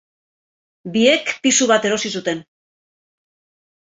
Biek, pisu bat erosi zuten.